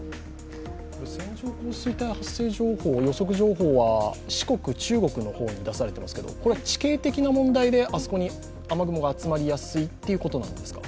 線状降水帯の発生情報、予測情報は四国・中国の方に出されていますけど、地形的な問題であそこに雨雲が集まりやすいということですか？